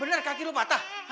benar kaki lo patah